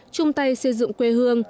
trung tay xây dựng quê hương